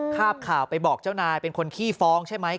ภาพข่าวไปบอกเจ้านายเป็นคนขี้ฟ้องใช่ไหม